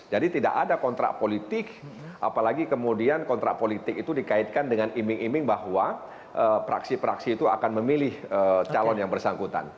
jadi tidak ada kontrak politik apalagi kemudian kontrak politik itu dikaitkan dengan iming iming bahwa praksi praksi itu akan memilih calon yang bersangkutan